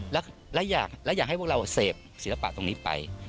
และอยากให้พวกเราเสพศิลปะตรงนี้ไป